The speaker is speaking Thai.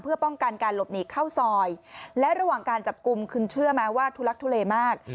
เพื่อป้องกันการหลบหนีเข้าซอยและระหว่างการจับกลุ่มคุณเชื่อไหมว่าทุลักทุเลมาก